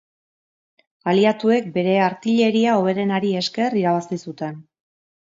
Aliatuek bere artilleria hoberenari esker irabazi zuten.